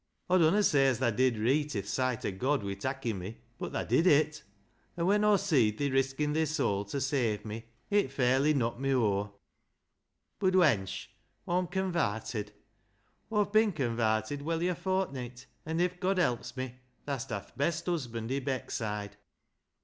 Aw dunno say as thaa did reet i' th' sight o' God wi' takkin' me, bud thaa did it. An' when Aw seed thi riskin' thi soul ta save me, it fairly knocked me o'er. Bud, wench, Aw'm convarted. Aw've bin convarted welly a fortnit, an' if God helps me, tha'st ha' the best husband i' Beckside.